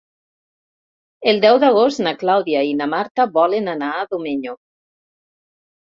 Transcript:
El deu d'agost na Clàudia i na Marta volen anar a Domenyo.